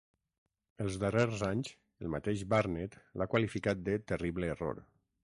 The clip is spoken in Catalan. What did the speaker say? Els darrers anys, el mateix Barnett l'ha qualificat de "terrible error".